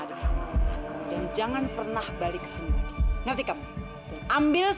aku rasanya dengar product tersebut dari dokter vika